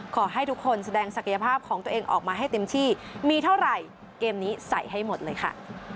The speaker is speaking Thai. ขอให้ทุกคนแสดงศักยภาพของตัวเองออกมาให้เต็มที่มีเท่าไหร่เกมนี้ใส่ให้หมดเลยค่ะ